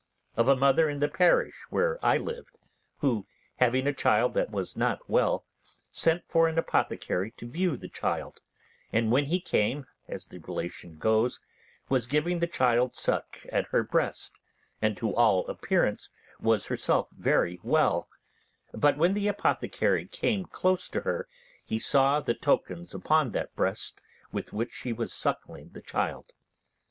Of a mother in the parish where I lived, who, having a child that was not well, sent for an apothecary to view the child; and when he came, as the relation goes, was giving the child suck at her breast, and to all appearance was herself very well; but when the apothecary came close to her he saw the tokens upon that breast with which she was suckling the child.